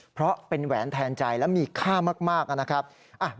เพราะเป็นแหวนแทนใจและมีค่ามากนะครับ